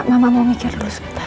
mama mau mikir dulu sebentar